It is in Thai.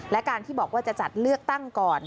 และการที่บอกว่าจะจัดเลือกตั้งก่อน